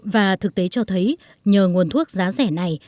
và thực tế cho thấy nhờ nguồn thuốc giá rẻ này